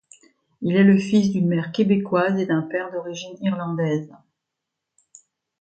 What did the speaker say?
Il est le fils d'une mère québécoise et d'un père d'origine irlandaise.